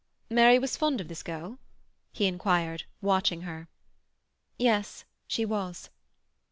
"Mary was fond of this girl?" he inquired, watching her. "Yes, she was."